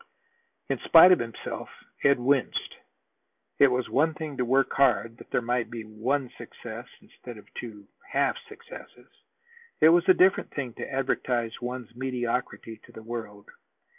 In spite of himself, Ed winced. It was one thing to work hard that there might be one success instead of two half successes. It was a different thing to advertise one's mediocrity to the world.